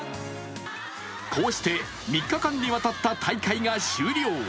こうして３日間にわたった大会が終了。